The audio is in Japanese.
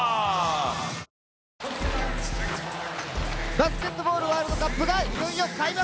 バスケットボールワールドカップがいよいよ開幕！